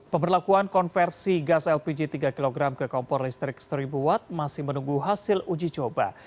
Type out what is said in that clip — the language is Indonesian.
pemberlakuan konversi gas lpg tiga kg ke kompor listrik seribu watt masih menunggu hasil uji coba